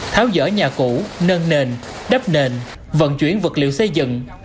tháo dỡ nhà cũ nâng nền đắp nền vận chuyển vật liệu xây dựng